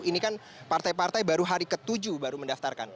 ini kan partai partai baru hari ke tujuh baru mendaftarkan